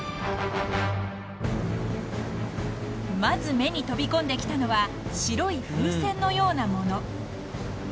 ［まず目に飛び込んできたのは白い風船のようなもの］